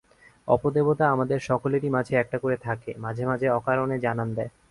অপদেবতা আমাদের সকলেরই একটা করে থাকে, মাঝে মাঝে অকারণে জানান দেয়।